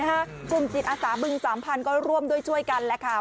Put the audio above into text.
กลุ่มจิตอาสาบึงสามพันธุ์ก็ร่วมด้วยช่วยกันแหละค่ะ